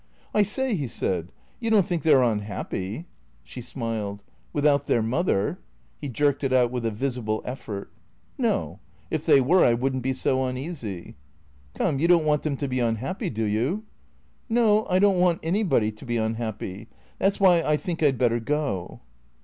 " I say," he said, " you don't think they 're unhappy ?" (She smiled). "— Without their mother ?" He jerked it out with a visible elTort. " No. If they were I should n't be so uneasy." " Come, you don't want them to be unhappy, do you ?"" No. I don't want anybody to be unhappy. That 's why I think I 'd better go."